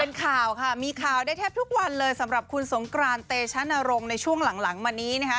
เป็นข่าวค่ะมีข่าวได้แทบทุกวันเลยสำหรับคุณสงกรานเตชะนรงค์ในช่วงหลังหลังมานี้นะคะ